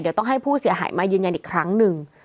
เดี๋ยวต้องให้ผู้เสียหายมายืนยันอีกครั้งหนึ่ง